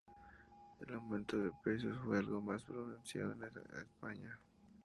El aumento de precios fue algo más pronunciado en la España.